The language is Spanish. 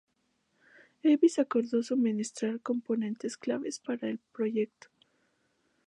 Hives acordó suministrar componentes claves para el proyecto.